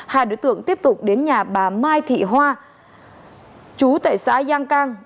hai đối tượng tiếp tục đến nhà bà mai thị hoa chú tại xã giang cang